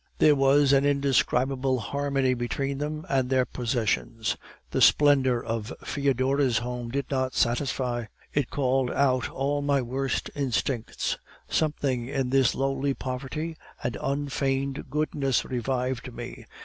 "There was an indescribable harmony between them and their possessions. The splendor of Foedora's home did not satisfy; it called out all my worst instincts; something in this lowly poverty and unfeigned goodness revived me.